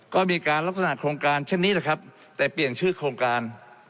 ก็มีการลักษณะโครงการเช่นนี้แหละครับแต่เปลี่ยนชื่อโครงการ